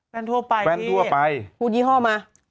ทั่วไปแฟนทั่วไปพูดยี่ห้อมา